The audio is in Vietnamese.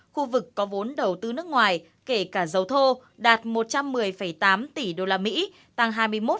khu vực có vốn đầu tư nước ngoài kể cả dầu thô đạt một trăm một mươi tám tỷ usd tăng hai mươi một